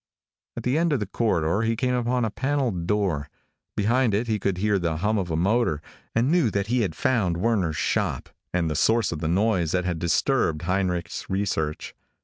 At the end of the corridor he came upon a paneled door. Behind it he could hear the hum of a motor, and knew that he had found Werner's shop, and the source of the noise that had disturbed Heinrich's research.